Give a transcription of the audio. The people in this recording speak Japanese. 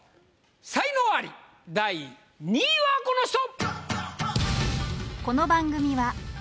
才能アリ第２位はこの人！